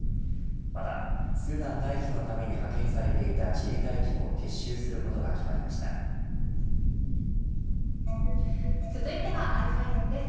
またスーダン退避のために派遣されていた自衛隊機も続いてはαｉｓｍです。